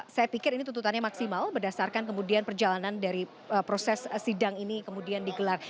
saya pikir ini tuntutannya maksimal berdasarkan kemudian perjalanan dari proses sidang ini kemudian digelar